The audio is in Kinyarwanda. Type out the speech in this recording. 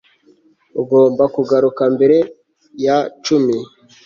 ugomba kugaruka mbere ya cumi